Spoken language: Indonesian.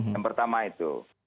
yang pertama itu